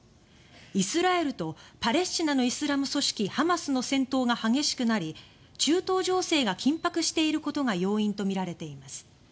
イスラエルとパレスチナのイスラム組織ハマスの戦闘が激しくなり中東情勢が緊迫していることが要因とみられています。